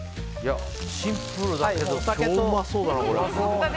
シンプルだけど超うまそうだなこれ。